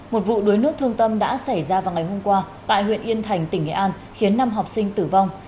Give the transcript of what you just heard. một vụ đuối nước thương tâm đã xảy ra vào ngày hôm qua tại huyện yên thành tỉnh nghệ an khiến năm học sinh tử vong